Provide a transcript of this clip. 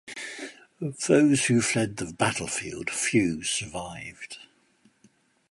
Of those who fled the battlefield, few survived.